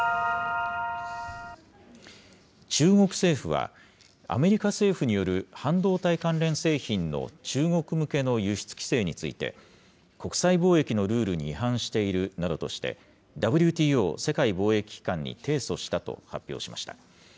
中国政府は、アメリカ政府による半導体関連製品の中国向けの輸出規制について、国際貿易のルールに違反しているなどとして、ＷＴＯ・世界貿易機関に提訴したと発表しました。